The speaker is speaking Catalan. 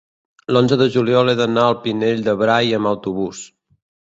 l'onze de juliol he d'anar al Pinell de Brai amb autobús.